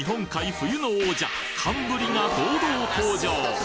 冬の王者寒ぶりが堂々登場！